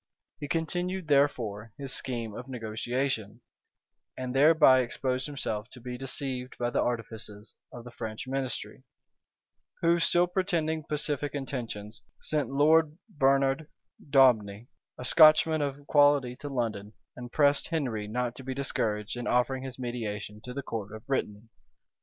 He continued, therefore, his scheme of negotiation, and thereby exposed himself to be deceived by the artifices of the French ministry; who, still pretending pacific intentions, sent Lord Bernard Daubigni, a Scotchman of quality, to London, and pressed Henry not to be discouraged in offering his mediation to the court of Brittany.